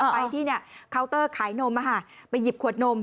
ไปที่เคาน์เตอร์ขายนมไปหยิบขวดนม